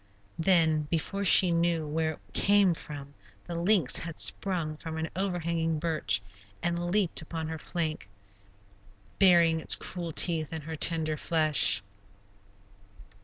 Then, before she knew where it came from, the lynx had sprung from an overhanging birch, and leaped upon her flank, burying its cruel teeth in her tender flesh.